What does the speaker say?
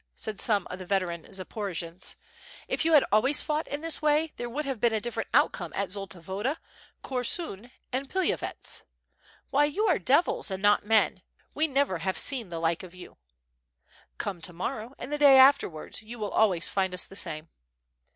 said some of the veteran Zaporo jiaus, *'if you had always fought in this way there would have been a different outcome at Zolta Woda, Korsun and Pilavyets. Why you are devils, and not men; we never have seen the like of you." "Come to morrow and the day afterwards; you will always find us the same."